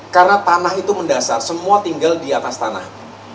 karena tanah itu mendasar semua tinggal di atas tanah